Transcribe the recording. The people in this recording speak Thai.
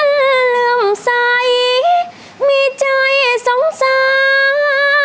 เหลื่อมใสมีใจสงสาร